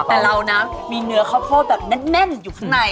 แต่เรานะมีเนื้อข้าวโพดแบบแน่นอยู่ข้างใน